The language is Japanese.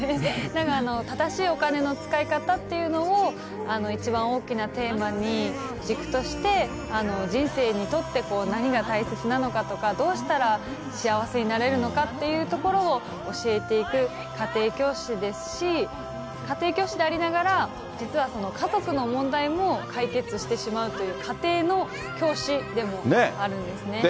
だから正しいお金の使い方というのを、一番大きなテーマに、軸として、人生にとって何が大切なのかとか、どうしたら幸せになれるのかっていうところを教えていく家庭教師ですし、家庭教師でありながら、実は家族の問題も解決してしまうという、家庭の教師でもあるんですね。